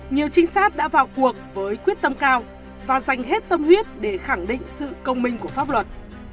nhiều trinh sát đã vào cuộc với quyết tâm cao và dành hết tâm huyết để khẳng định sự công minh của pháp luật